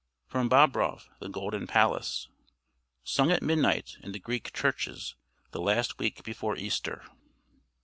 FROM BOBROV THE GOLDEN PALACE [Sung at midnight in the Greek churches the last week before Easter.